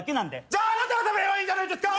じゃああなたが食べればいいんじゃないですか！？